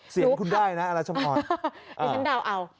สินคุณได้นะอัแลปเฉพาะ